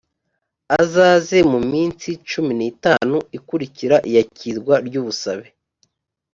azaze muminsi cumi nitanu ikurikira iyakirwa ry ‘ubusabe